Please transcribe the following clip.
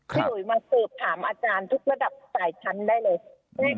ขอบคุณรู้แกร่งหน้าหลายชั้นได้เลย